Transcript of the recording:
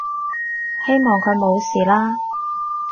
希望佢冇事啦